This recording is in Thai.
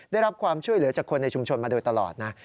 ได้รับความช่วยเหลือจากคนในชุมชนมาโดยตลอดนะ